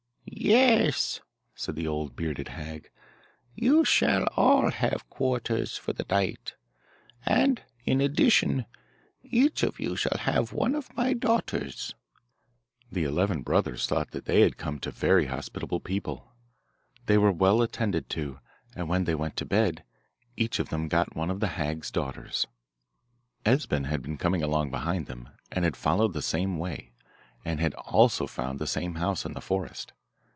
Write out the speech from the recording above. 'Yes,' said the old, bearded hag, 'you shall all have quarters for the night, and, in addition, each of you shall have one of my daughters.' The eleven brothers thought that they had come to very hospitable people. They were well attended to, and when they went to bed, each of them got one of the hag's daughters. Esben had been coming along behind them, and had followed the same way, and had also found the same house in the forest.